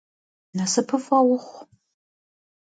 Nasıpıf'e vuxhu!